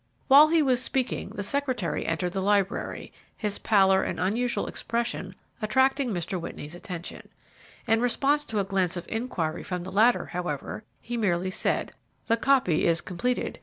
While he was speaking, the secretary entered the library, his pallor and unusual expression attracting Mr. Whitney's attention. In response to a glance of inquiry from the latter, however, he merely said, "The copy is completed.